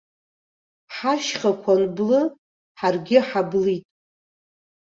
Ҳашьхақәа анблы, ҳаргьы ҳаблит!